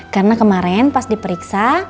karena kemarin pas diperiksa